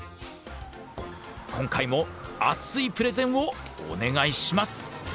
今回も熱いプレゼンをお願いします！